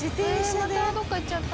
またどっか行っちゃった。